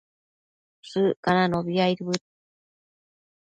Shëccananobi aidbëd